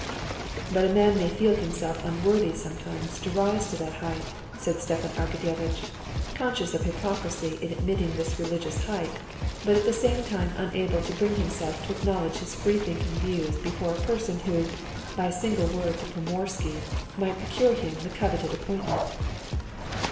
"But a man may feel himself unworthy sometimes to rise to that height," said Stepan Arkadyevitch, conscious of hypocrisy in admitting this religious height, but at the same time unable to bring himself to acknowledge his free thinking views before a person who, by a single word to Pomorsky, might procure him the coveted appointment.